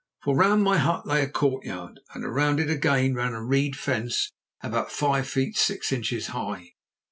For round my hut lay a courtyard, and round it again ran a reed fence about five feet six inches high.